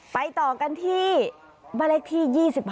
ไปต่อกันที่บ้านเลขที่๒๕